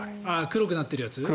黒くなってるやつ？